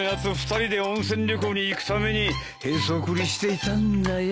２人で温泉旅行に行くためにヘソクリしていたんだよ。